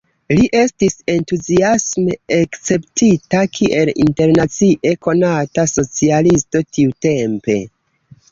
Li estis entuziasme akceptita, kiel internacie konata socialisto tiutempe.